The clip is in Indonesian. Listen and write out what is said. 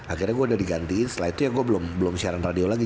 akhirnya gue udah digantiin setelah itu ya gue belum siaran radio lagi